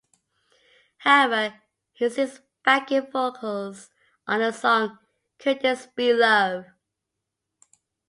However, he sings backing vocals on the song "Could This Be Love".